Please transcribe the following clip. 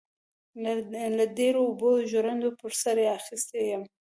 لکه د ډيرو اوبو ژرنده پر سر يې اخيستى يم.